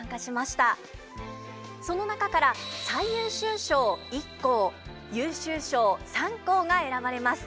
その中から最優秀賞１校優秀賞３校が選ばれます。